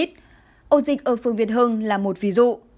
ổ dịch ở phương việt hưng là một ví dụ